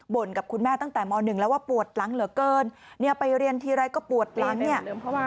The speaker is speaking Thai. กับคุณแม่ตั้งแต่ม๑แล้วว่าปวดหลังเหลือเกินเนี่ยไปเรียนทีไรก็ปวดหลังเนี่ย